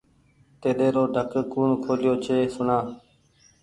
تيليرو ڍڪ ڪوٚڻ کوليو ڇي سوڻآ